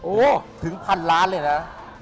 โอ้โหถึงพันล้านเลยนะ